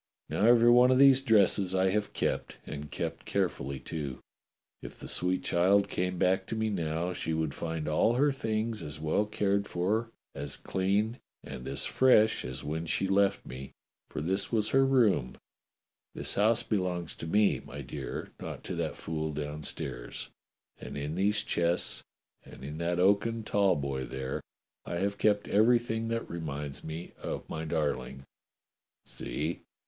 Now every one of these dresses I have kept, and kept carefully, too. If the sweet child came back to me now, she would find all her things as well cared for, as clean, and as fresh as when she left me, for this was her room (this house belongs to me, my dear, not to that fool downstairs), and in these chests and in that oaken tall boy there I have kept everything that reminds me of my darling. See!"